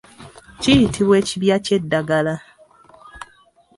Kiyitibwa ekibya ky'eddagala.